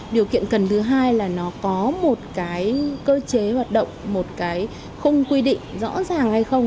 điều kiện cần thứ hai là nó có một cái cơ chế hoạt động một cái khung quy định rõ ràng hay không